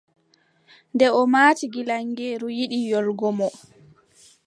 Nde o maati gilaŋeeru yiɗi yoolgomo,